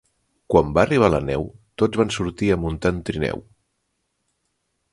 Quan va arribar la neu, tots van sortir a muntar en trineu.